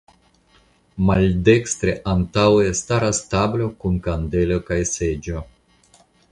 Maldekstre antaŭe staras tablo kun kandelo kaj seĝo.